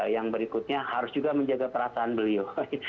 yang berikutnya harus juga menjaga perasaan beliau